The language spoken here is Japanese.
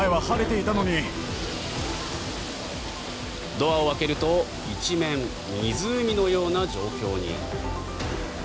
ドアを開けると一面、湖のような状況に。